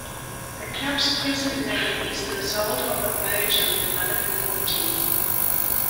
The club's present name is the result of a merger with another football team.